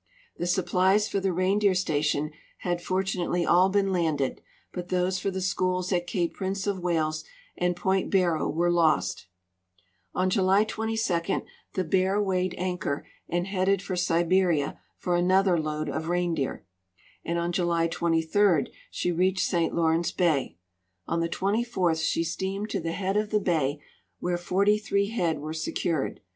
The supplies for the reindeer station had fortunately all been landed, but those for the schools at cape Prince of W'ales and point BarroAV Avere lost. On .July 22 the Bear Aveighed anchor and headed for Siberia for another load of reindeer, and on July 23 she reached St. LaAV rence bay. On the 24th she steamed to the head of the bay, Avhere 43 head Avere secured.